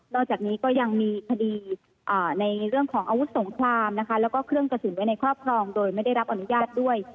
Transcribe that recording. อกจากนี้ก็ยังมีคดีในเรื่องของอาวุธสงครามนะคะแล้วก็เครื่องกระสุนไว้ในครอบครองโดยไม่ได้รับอนุญาตด้วย